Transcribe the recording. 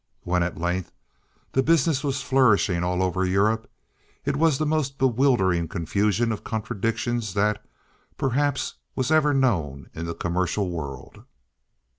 When, at length, the business was flourishing all over Europe, it was the most bewildering confusion of contradictions that, perhaps, was ever known in the commercial world.